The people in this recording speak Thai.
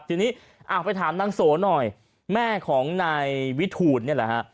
ทีนี้ไปถามนางโสหน่อยแม่ของนายวิทูลนี่แหละฮะ